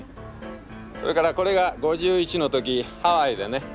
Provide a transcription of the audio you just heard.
それからこれが５１の時ハワイでね。